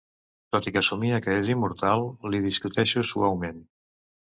Tot i que somia que és immortal, li discuteixo suaument.